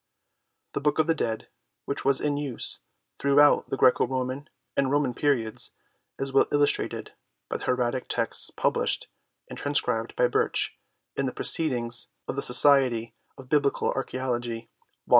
The Book of the Dead which was in use through out the Graeco Roman and Roman periods is well illustrated by the hieratic texts published and trans lated by Birch in the Proceedings of the Society of Biblical Archaeology, vol.